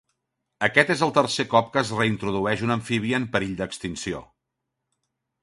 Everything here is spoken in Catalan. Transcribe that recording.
Aquest és el tercer cop que es reintrodueix un amfibi en perill d'extinció.